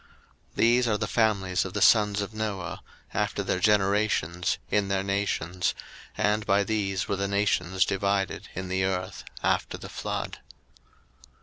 01:010:032 These are the families of the sons of Noah, after their generations, in their nations: and by these were the nations divided in the earth after the flood.